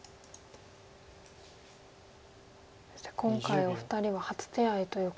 そして今回お二人は初手合ということですが。